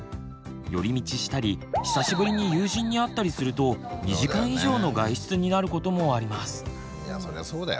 寄り道したり久しぶりに友人に会ったりすると２時間以上の外出になることもあります。